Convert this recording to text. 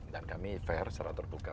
dan kami fair secara terbuka